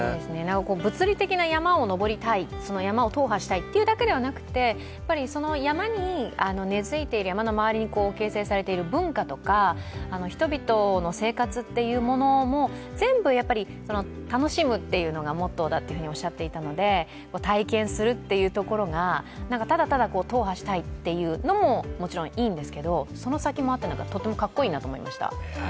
物理的な山を登りたい、踏破したいというだけでなくその山に根づいている、山の周りに形成されている文化とか人々の生活っていうものも全部、楽しむっていうのがモットーだっておっしゃっていたので体験するっていうところがただただ踏破したいというのももちろんいいんですけど、その先もあってとてもかっこいいなと思いました。